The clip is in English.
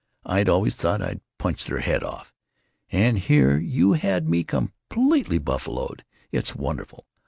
I'd always thought I'd punch their head off, and here you've had me completely buffaloed. It's wonderful!